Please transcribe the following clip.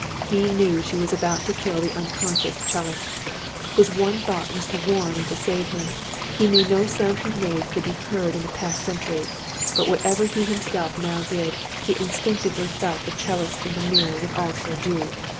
He knew she was about to kill the unconscious 'cellist. His one thought was to warn and to save him. He knew no sound he made could be heard in a past century; but whatever he himself now did, he instinctively felt the 'cellist in the mirror would also do.